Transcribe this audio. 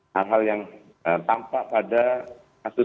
hal hal yang tampak pada kasus